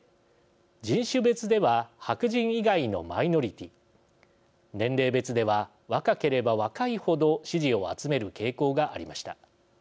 人種別では白人以外のマイノリティー年齢別では、若ければ若い程支持を集める傾向がありました。